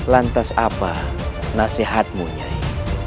lantas apa nasihatmu nyai